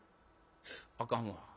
あかんわ。